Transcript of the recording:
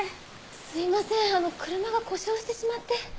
すいません車が故障してしまって。